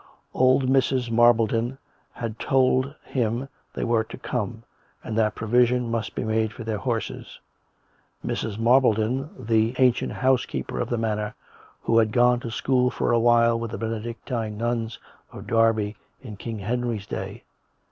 Old Mrs. Marpleden had told him they were to come, and that provision must be made for their horses — Mrs. Marple den, the ancient housekeeper of the manor, who had gone to school for a wliile with the Benedictine nuns of Derby in King Henry's days.